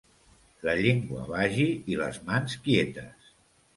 La llengua vagi i les mans quietes.